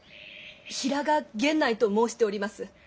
平賀源内と申しております。